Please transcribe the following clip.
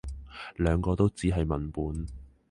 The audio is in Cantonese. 兩個都只係文本